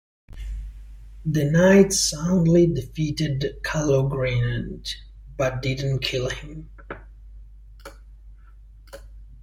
The knight soundly defeated Calogrenant, but didn't kill him.